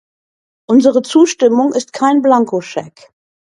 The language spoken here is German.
Unsere Zustimmung ist kein Blankoscheck.